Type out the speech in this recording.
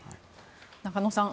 中野さん